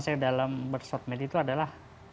saya dalam bersosmed itu adalah